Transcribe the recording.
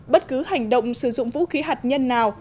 bất cứ hành động sử dụng vũ khí hạt nhân nào